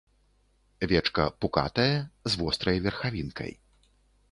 Вечка пукатае, з вострай верхавінкай.